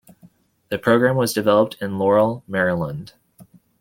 The program was developed in Laurel, Maryland.